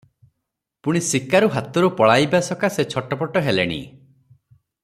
ପୁଣି ଶିକାର ହାତରୁ ପଳାଇବା ସକାଶେ ଛଟପଟ ହେଲେଣି ।